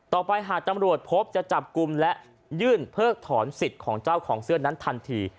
ต่อไปหากตำรวจพบจะจับกลุ่มและยื่นเพิกถอนสิทธิ์ของเจ้าของเสื้อนั้นทันที